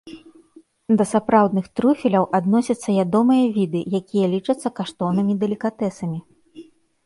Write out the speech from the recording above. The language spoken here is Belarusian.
Да сапраўдных труфеляў адносяцца ядомыя віды, якія лічацца каштоўнымі далікатэсамі.